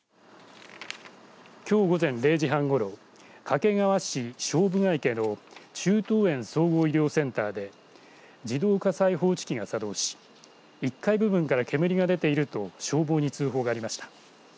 きょう午前０時半ごろ掛川市菖蒲ヶ池の中東遠総合医療センターで自動火災報知器が作動し１階部分から煙が出ていると消防に通報がありました。